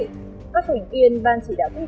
cần tiếp tục đẩy mạnh thực hiện